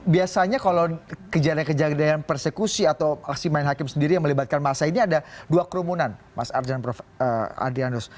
biasanya kalau kejadian kejadian persekusi atau aksi main hakim sendiri yang melibatkan masa ini ada dua kerumunan mas arjan prof adrianus